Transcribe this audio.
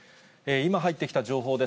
今入ってきた情報です。